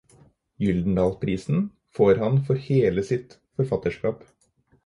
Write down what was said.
Gyldendalprisen får han for hele sitt forfatterskap.